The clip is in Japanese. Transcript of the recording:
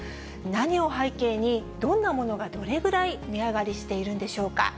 何を背景に、どんな物がどれぐらい値上がりしているんでしょうか。